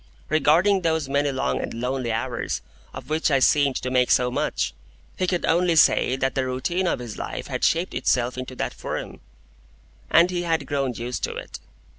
Regarding those many long and lonely hours of which I seemed to make so much, he could only say that the routine of his life had shaped itself into that form, and he had grown used to it.